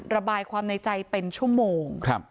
ระบายความในใจเป็นชั่วโมง